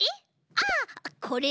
ああこれ？